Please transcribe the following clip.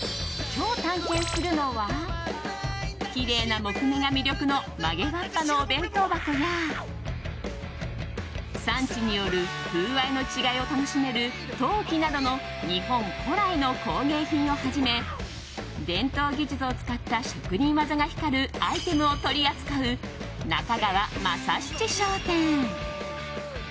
今日探検するのはきれいな木目が魅力の曲げわっぱのお弁当箱や産地による風合いの違いを楽しめる陶器などの日本古来の工芸品をはじめ伝統技術を使った職人技が光るアイテムを取り扱う中川政七商店。